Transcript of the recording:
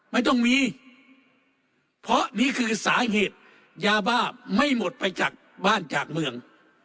ไม่ต้องมีเพราะนี่คือสาเหตุยาบ้าไม่หมดไปจากบ้านจากเมือง